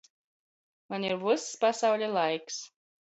Maņ ir vyss pasauļa laiks.